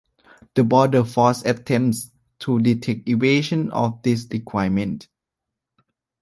The Border Force attempts to detect evasion of this requirement.